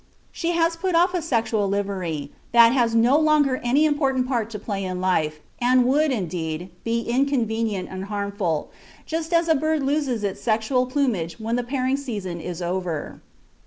She has put off a sexual livery that has no longer any important part to play in life, and would, indeed, be inconvenient and harmful, just as a bird loses its sexual plumage when the pairing season is over.